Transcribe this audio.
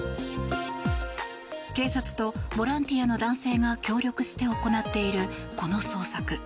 警察とボランティアの男性が協力して行っているこの捜索。